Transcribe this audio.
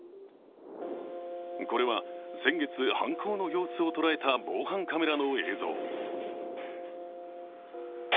これは、先月犯行の様子を捉えた防犯カメラの映像。